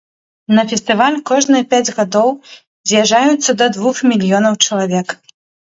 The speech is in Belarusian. На фестываль кожныя пяць гадоў з'язджаюцца да двух мільёнаў чалавек.